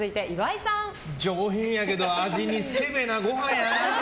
上品やけど味にスケベなご飯やな。